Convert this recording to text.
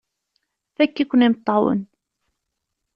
Fakk-iken imeṭṭawen!